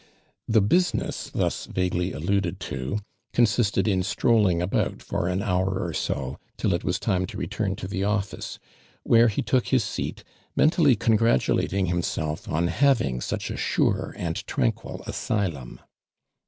The business thus vaguely alluded to consisted in strolling about for an hour or so, till it was time to return to the office, (}2 AKMAND LIJRAND. where ho took his seat, mcntjilly con gratulating himsolt'ou liaving such a sum and tranquil anylum.